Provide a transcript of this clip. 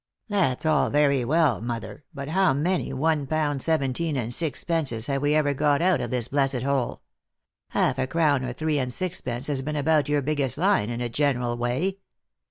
" That's all very well, mother, but how many one pound seventeen and sixpences have we ever got out of this blessed hole ? Half a crown or three and sixpence has been about your biggest line, in a general way."